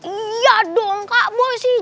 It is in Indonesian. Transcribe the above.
iya dong kak boy sih